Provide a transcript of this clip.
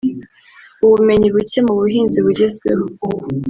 ubumenyi buke mu buhinzi bugezweho